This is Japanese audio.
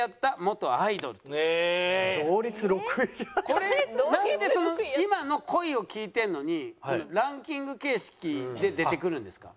これなんで今の恋を聞いてるのにランキング形式で出てくるんですか？